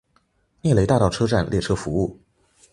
涅雷大道车站列车服务。